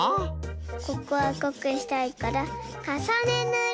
ここはこくしたいからかさねぬり！